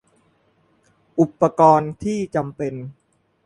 อุปกรณ์ที่จำเป็น